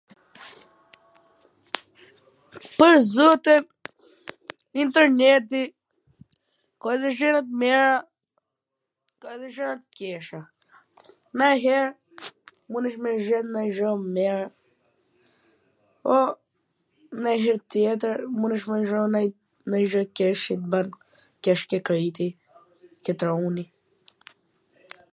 pwr zotin interneti ka edhe gjwna t mira ka edhe gjwna t kwqija shum. nanjher ulesh me e gjet nonjw gjw t mir, po nanjher tjetwr ulesh me gjet nanj gjw t keqe qw t ban keq ke krejti, ke truni